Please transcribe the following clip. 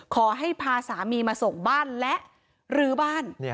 ขอให้พาสามีมาส่งบ้านและรื้อบ้าน